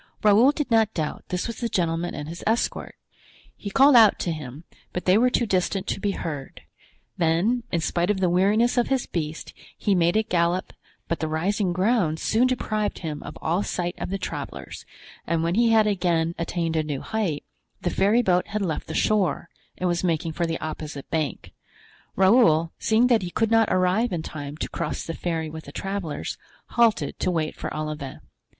Raoul did not doubt this was the gentleman and his escort; he called out to him, but they were too distant to be heard; then, in spite of the weariness of his beast, he made it gallop but the rising ground soon deprived him of all sight of the travelers, and when he had again attained a new height, the ferryboat had left the shore and was making for the opposite bank. Raoul, seeing that he could not arrive in time to cross the ferry with the travelers, halted to wait for Olivain.